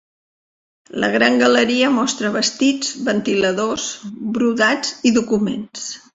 La gran galeria mostra vestits, ventiladors, brodats i documents.